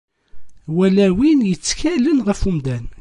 Wala win yettkalen ɣef umdan.